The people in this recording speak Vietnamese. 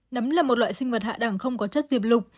nấm là một loại sinh vật hạ đẳng không có chất dịp lục